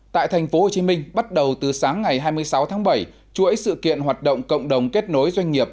tại tp hcm bắt đầu từ sáng ngày hai mươi sáu tháng bảy chuỗi sự kiện hoạt động cộng đồng kết nối doanh nghiệp